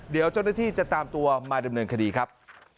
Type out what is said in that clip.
เดี๋ยวเจ้าหน้าที่จะตามตัวมาดำเนินคดีครับ